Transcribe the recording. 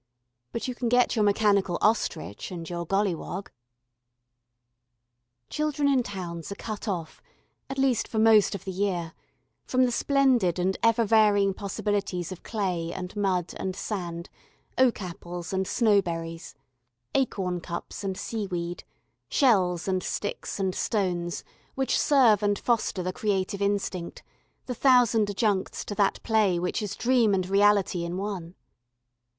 ... But you can get your mechanical ostrich and your golliwog. ... Children in towns are cut off, at least for most of the year, from the splendid and ever varying possibilities of clay and mud and sand, oak apples and snow berries, acorn cups and seaweed, shells and sticks and stones which serve and foster the creative instinct, the thousand adjuncts to that play which is dream and reality in one.